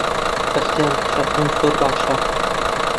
بەختیار لە شەترەنج زۆر باشە.